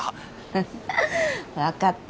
フフッわかった。